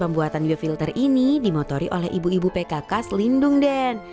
pembuatan media filter ini dimotori oleh ibu ibu pkk selindung den